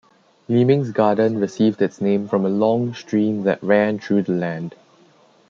Leaming's Garden received its name from a long stream that ran through the land.